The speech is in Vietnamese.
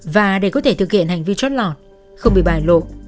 và để có thể thực hiện hành vi trót lọt không bị bài lộ